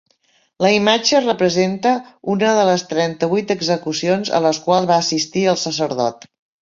La imatge representa una de les trenta-vuit execucions a les quals va assistir el sacerdot.